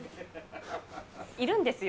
いるんですよ。